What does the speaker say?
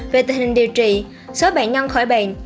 về tình hình điều trị xóa bệnh nhân khỏi bệnh